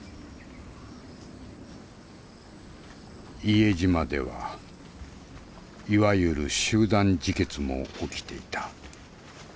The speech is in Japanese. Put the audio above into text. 伊江島ではいわゆる集団自決も起きていた。